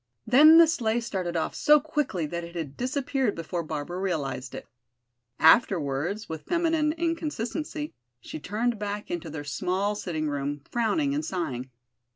Then the sleigh started off so quickly that it had disappeared before Barbara realized it. Afterwards, with feminine inconsistency, she turned back into their small sitting room, frowning and sighing.